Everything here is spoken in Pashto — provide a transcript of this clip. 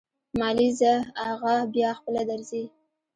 مالې ځه اغه بيا خپله درځي.